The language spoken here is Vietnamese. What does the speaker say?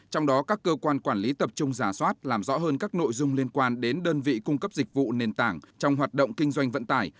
trong đó các cơ quan quản lý tập trung giả soát làm rõ hơn các nội dung liên quan đến đơn vị cung cấp dịch vụ nền tảng trong hoạt động kinh doanh vận tải